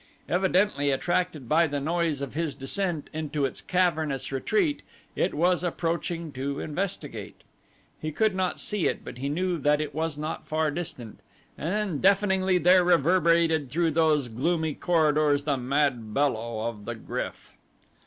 Evidently attracted by the noise of his descent into its cavernous retreat it was approaching to investigate. He could not see it but he knew that it was not far distant, and then, deafeningly there reverberated through those gloomy corridors the mad bellow of the GRYF.